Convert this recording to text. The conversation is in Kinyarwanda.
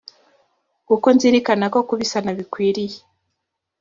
kuko nzirikana ko kubisana bikwiriye